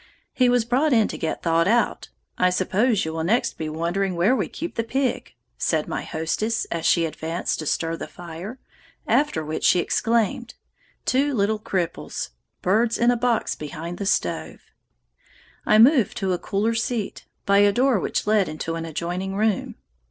"He was brought in to get thawed out; I suppose you will next be wondering where we keep the pig," said my hostess as she advanced to stir the fire, after which she examined "two little cripples," birds in a box behind the stove. I moved to a cooler seat, by a door which led into an adjoining room.